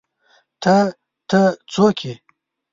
_ته، ته، څوک يې؟